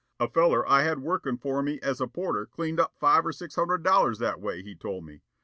A feller I had workin' for me as a porter cleaned up five or six hundred dollars that way, he told me.